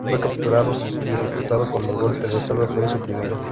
Fue capturado y ejecutado cuando el golpe de estado fue suprimido.